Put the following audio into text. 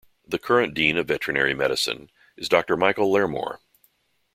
The current Dean of Veterinary Medicine is Doctor Michael Lairmore.